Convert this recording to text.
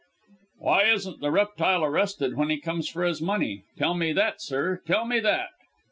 "Why isn't the reptile arrested when he comes for his money? Tell me that, sir. Tell me that."